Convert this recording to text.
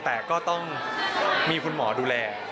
แต่ก็ต้องมีคุณหมอดูแล